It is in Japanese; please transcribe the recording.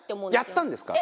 やったんですか？